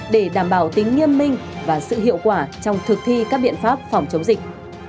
để đảm bảo tính nghiêm minh và sự hiệu quả trong thực thi các biện pháp phòng chống dịch